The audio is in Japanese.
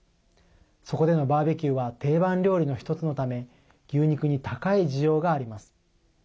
そこでのバーベキューは定番料理の１つのため牛肉に高い需要があります。